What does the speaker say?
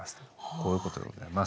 こういうことでございます。